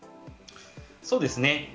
そうですね。